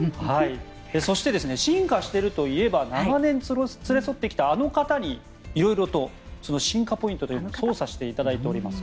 そして、進化しているといえば長年連れ添ってきたあの方に色々と進化ポイントというのを捜査していただいております。